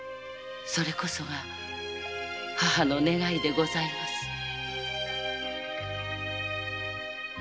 それこそが母の願いでございます。